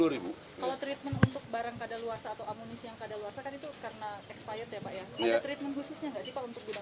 kalau treatment untuk barang kada luasa atau amunisi yang kada luasa kan itu karena expired ya pak ya